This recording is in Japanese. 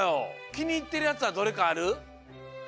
きにいってるやつはどれかある？